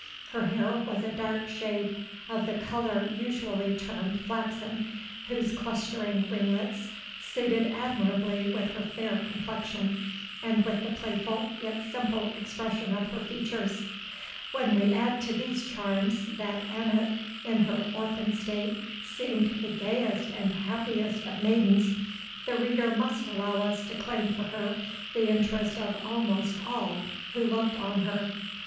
Her hair was a dark shade of the colour usually termed flaxen, whose clustering ringlets suited admirably with her fair complexion, and with the playful, yet simple, expression of her features. When we add to these charms, that Annot, in her orphan state, seemed the gayest and happiest of maidens, the reader must allow us to claim for her the interest of almost all who looked on her.